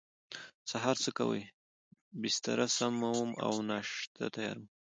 سهار څه کوئ؟ بستره سموم او ناشته تیاروم